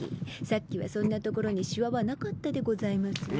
さっきはそんな所にしわはなかったでございますよ。